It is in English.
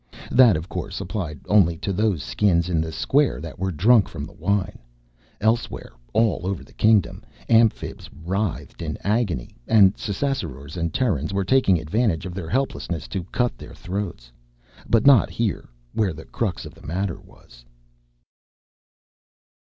That, of course, applied only to those Skins in the square that were drunk from the wine. Elsewhere all over the kingdom, Amphibs writhed in agony and Ssassarors and Terrans were taking advantage of their helplessness to cut their throats. But not here, where the crux of the matter was.